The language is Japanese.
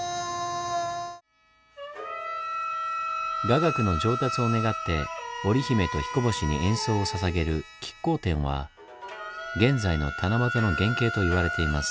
雅楽の上達を願って織り姫と彦星に演奏をささげる「乞巧奠」は現在の七夕の原型と言われています。